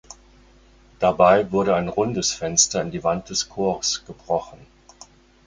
Dabei wurde ein rundes Fenster in die Wand des Chors gebrochen.